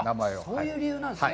そういう理由なんですね。